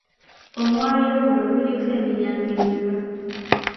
Omwaliiro guno guliko emiryango emeka?